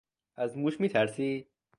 از موش میترسی؟